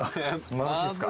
まぶしいですか？